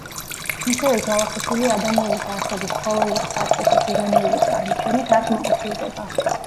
მიხეილ ჯავახიშვილი ადამიანის არსების ცხოველური საწყისის ირონიული წარმოჩენით არ კმაყოფილდება.